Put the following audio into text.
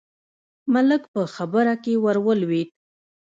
ملک په خبره کې ور ولوېد: